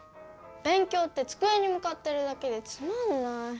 べん強ってつくえにむかってるだけでつまんない。